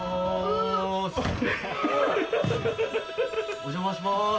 お邪魔します。